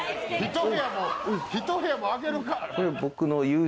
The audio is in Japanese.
ひと部屋もあけるか。